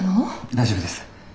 大丈夫です。